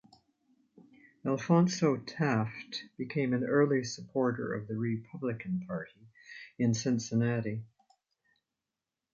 Alphonso Taft became an early supporter of the Republican Party in Cincinnati.